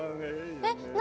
えっ何？